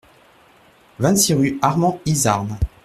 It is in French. vingt-six rue Armand Izarn